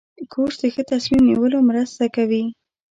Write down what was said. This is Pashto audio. کورس د ښه تصمیم نیولو مرسته کوي.